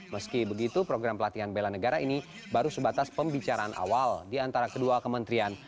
meski begitu program pelatihan bela negara ini baru sebatas pembicaraan awal di antara kedua kementerian